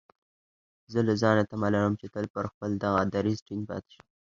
زه له ځانه تمه لرم چې تل پر خپل دغه دريځ ټينګ پاتې شم.